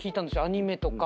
アニメとか。